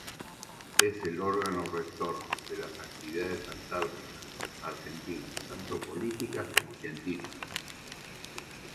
Es el órgano rector de las actividades antárticas argentinas, tanto políticas como científicas.